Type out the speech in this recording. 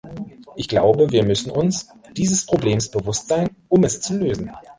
Ich glaube, wir müssen uns dieses Problems bewusst sein, um es zu lösen.